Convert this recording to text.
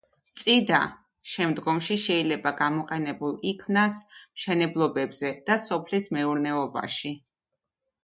წიდა შემდგომში შეიძლება გამოყენებულ იქნას მშენებლობებზე და სოფლის მეურნეობაში.